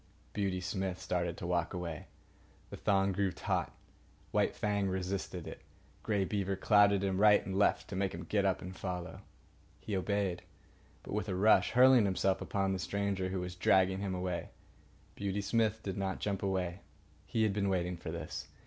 Beauty Smith started to walk away. The thong grew taut. White Fang resisted it. Grey Beaver clouted him right and left to make him get up and follow. He obeyed, but with a rush, hurling himself upon the stranger who was dragging him away. Beauty Smith did not jump away. He had been waiting for this.